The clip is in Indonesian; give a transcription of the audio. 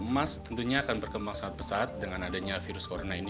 emas tentunya akan berkembang sangat pesat dengan adanya virus corona ini